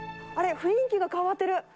雰囲気が変わってる。